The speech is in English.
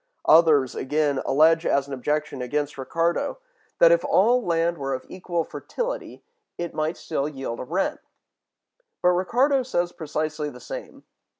Others, again, allege as an objection against Ricardo, that if all land were of equal fertility it might still yield a rent. But Ricardo says precisely the same.